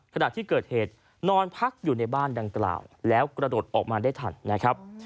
ขณะที่เกิดเหตุนอนพักอยู่ในบ้านดังกล่าวแล้วกระโดดออกมาได้ทันนะครับ